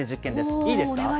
いいですか？